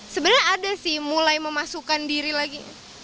sebenarnya ada sih mulai memasukkan diri lagi